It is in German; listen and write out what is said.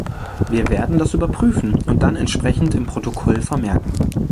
Wir werden das überprüfen und dann entsprechend im Protokoll vermerken.